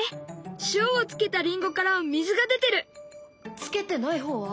つけてない方は？